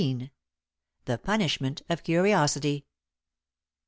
THE PUNISHMENT OF CURIOSITY.